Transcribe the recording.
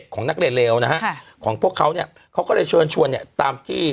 ของนักเรียนเลวนะฮะค่ะของพวกเขาเนี่ยเขาก็เลยเชิญชวนเนี่ยตามที่